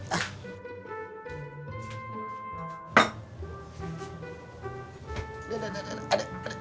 aduh ada ada aja